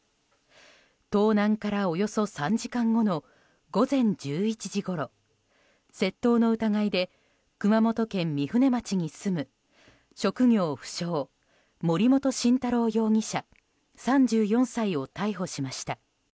盗難からおよそ３時間後の午前１１時ごろ窃盗の疑いで熊本県御船町に住む職業不詳森本晋太郎容疑者、３４歳を逮捕しました。